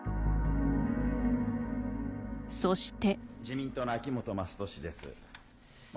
そして。